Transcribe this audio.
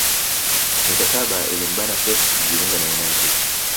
Mikataba ilimbana Pep kujiunga na united